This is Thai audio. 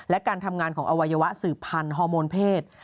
และการทำงานของอวัยวะสืบพันธ์ฮอร์โมนเพศ